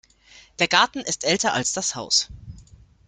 Der Garten ist älter als das Haus.